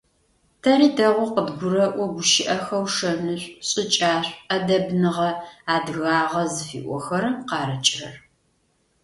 Тэри дэгъоу къыдгурэӀо гущыӀэхэу шэнышӀу, шӀыкӀашӀу, Ӏэдэбныгъэ, адыгагъэ зыфиӀохэрэм къарыкӀырэр.